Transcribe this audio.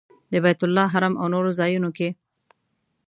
د بیت الله حرم او نورو ځایونو کې.